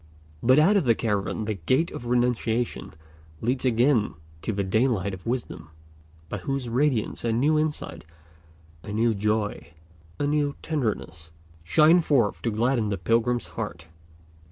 But out of the cavern the Gate of Renunciation leads again to the daylight of wisdom, by whose radiance a new insight, a new joy, a new tenderness, shine forth to gladden the pilgrim's heart.